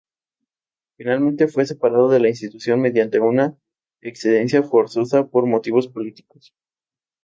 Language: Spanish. Finalmente fue separado de la institución mediante una excedencia forzosa por motivos políticos.